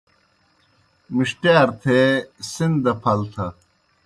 مِݜٹِیار تھے سن دہ پھل تھہ